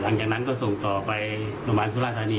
หลังจากนั้นก็ส่งต่อไปโรงพยาบาลสุราธานี